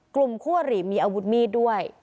คู่อริมีอาวุธมีดด้วย